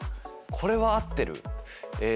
これは合ってる？